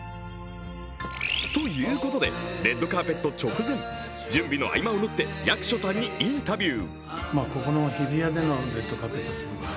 ということでレッドカーペット直前、準備の合間を縫って、役所さんにインタビュー。